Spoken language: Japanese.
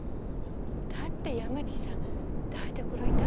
だって山路さん台所に立った事なんか。